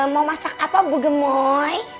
mau masak apa bu gemoy